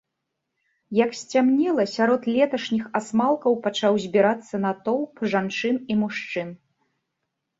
Як сцямнела, сярод леташніх асмалкаў пачаў збірацца натоўп жанчын і мужчын.